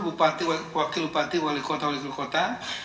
bupati wakil bupati wali kota wali kelukota